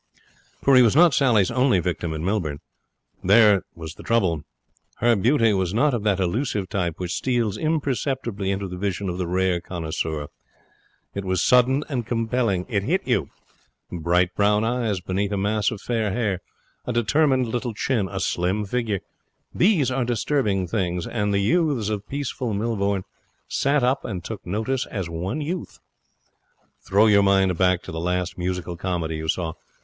For he was not Sally's only victim in Millbourne. That was the trouble. Her beauty was not of that elusive type which steals imperceptibly into the vision of the rare connoisseur. It was sudden and compelling. It hit you. Bright brown eyes beneath a mass of fair hair, a determined little chin, a slim figure these are disturbing things; and the youths of peaceful Millbourne sat up and took notice as one youth. Throw your mind back to the last musical comedy you saw.